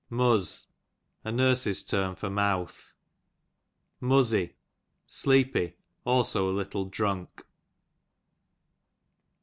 Muz, a nurses term for mouth, Muzzy^ sleepy; also a little drunk.